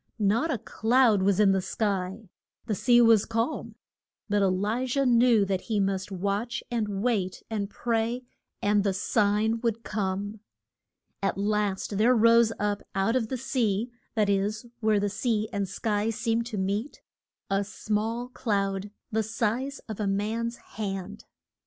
Not a cloud was in the sky. The sea was calm. But E li jah knew that he must watch, and wait, and pray, and the sign would come. At last there rose up out of the sea that is, where the sea and sky seem to meet a small cloud, the size of a man's hand.